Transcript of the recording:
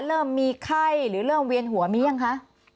เริ่มมีไข้หรือเริ่มเวียนหัวมียังคะ